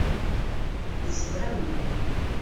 Tzedrem.